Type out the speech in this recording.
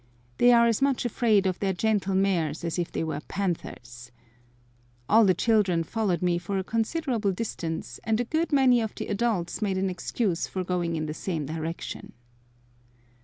They are as much afraid of their gentle mares as if they were panthers. All the children followed me for a considerable distance, and a good many of the adults made an excuse for going in the same direction.